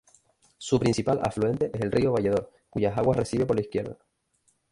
Su principal afluente es el "rio Valledor", cuyas aguas recibe por la izquierda.